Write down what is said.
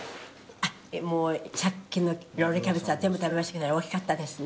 「あっもうさっきのロールキャベツは全部食べましたけどあれおいしかったですね」